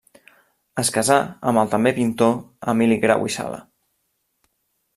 Es casà amb el també pintor Emili Grau i Sala.